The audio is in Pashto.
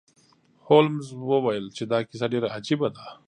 هولمز وویل چې دا کیسه ډیره عجیبه ده.